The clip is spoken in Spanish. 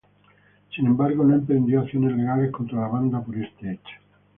Sin embargo, no emprendió acciones legales contra la banda por este hecho.